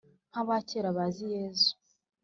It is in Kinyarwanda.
Nk'aba kera bazi Yezu.